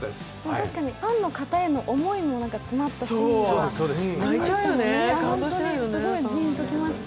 確かにファンの方々への思いも詰まったシーンがジーンときました。